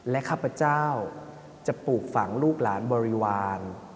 ข้าพเจ้าจะปลูกฝังลูกหลานบริวาร